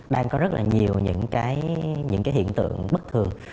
đang có rất nhiều những hiện tượng bất thường